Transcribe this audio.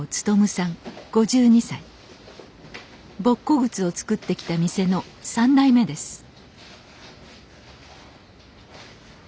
ボッコ靴を作ってきた店の３代目です